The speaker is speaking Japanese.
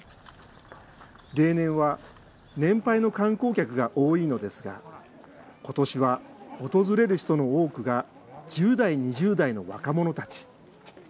例年は年配の観光客が多いのですが、ことしは訪れる人の多くが１０代、２０代の若者たち。